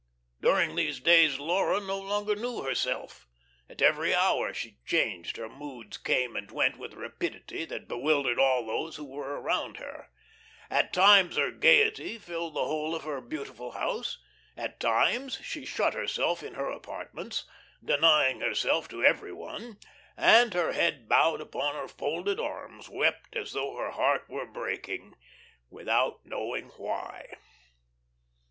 During these days Laura no longer knew herself. At every hour she changed; her moods came and went with a rapidity that bewildered all those who were around her. At times her gaiety filled the whole of her beautiful house; at times she shut herself in her apartments, denying herself to every one, and, her head bowed upon her folded arms, wept as though her heart was breaking, without knowing why.